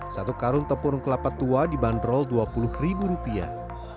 satu karung tepung kelapa tua dibanderol dua puluh ribu rupiah